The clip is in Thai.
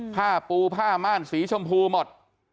ผ้าปูผ้าม่านสีชมพูหมด